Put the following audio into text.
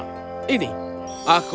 aku terence malaikat nasib baik